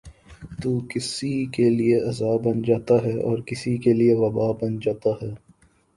تو کسی کیلئے غذا بن جاتا ہے اور کسی کیلئے وباء بن جاتا ہے ۔